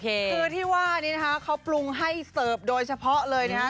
คือที่ว่านี้นะคะเขาปรุงให้เสิร์ฟโดยเฉพาะเลยนะคะ